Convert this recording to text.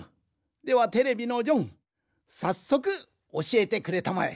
ではテレビのジョンさっそくおしえてくれたまえ。